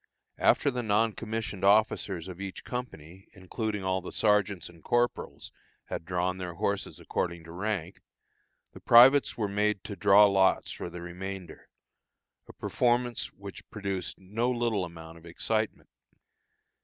After the non commissioned officers of each company, including all the sergeants and corporals, had drawn their horses according to rank, the privates were made to draw lots for the remainder a performance which produced no little amount of excitement.